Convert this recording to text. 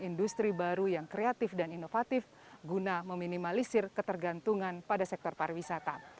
industri baru yang kreatif dan inovatif guna meminimalisir ketergantungan pada sektor pariwisata